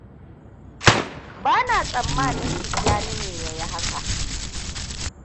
Bana tsammanin Tijjani ne ya yi haka.